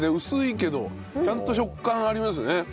薄いけどちゃんと食感ありますね。